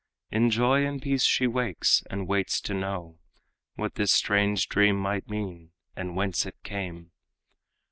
In joy and peace she wakes, and waits to know What this strange dream might mean, and whence it came.